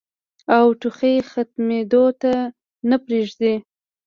او ټوخی ختمېدو ته نۀ پرېږدي